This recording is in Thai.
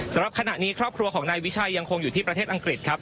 สำหรับขณะนี้ครอบครัวของนายวิชัยยังคงอยู่ที่ประเทศอังกฤษครับ